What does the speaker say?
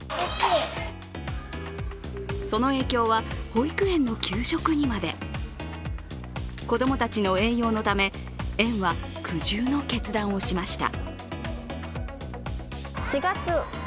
その影響は、保育園の給食にまで子供たちの栄養のため園は苦渋の決断をしました。